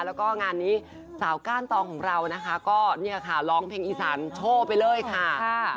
แล้วก็งานนี้สาวก้านตองของเราก็ล้องเพลงอีสันโชว์ไปเลยค่ะ